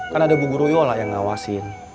kan ada bu guruyola yang ngawasin